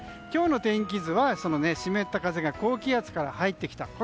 今日の天気図は湿った風が高気圧から入ってきた。